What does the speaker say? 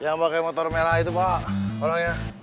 yang pakai motor merah itu pak orangnya